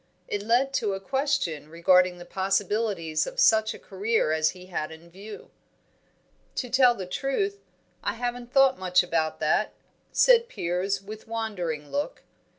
It led to a question regarding the possibilities of such a career as he had in view. "To tell the truth, I haven't thought much about that," said Piers, with wandering look.